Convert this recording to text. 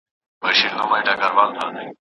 ایا زموږ تر منځ د ناستې چانس ختم شوی دی؟